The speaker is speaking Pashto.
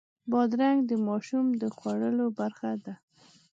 بادرنګ د ماشوم د خوړو برخه ده.